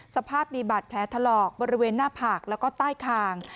สภาพมีบาดแผลถลอกบริเวณหน้าผากแล้วก็ใต้คาง